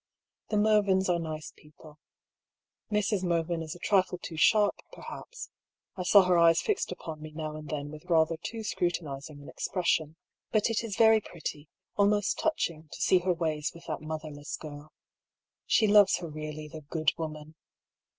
The Mervyns are nice people. Mrs. Mervyn is a EXTRACT FROM DIARY OF HUGH PAULL. 55 trifle too sharp, perhaps ; I saw her eyes fixed upon me now and then with rather too scrutinising an expression. But it is very pretty, almost touching, to see her ways with that motherless girl. She loves her really, the good woman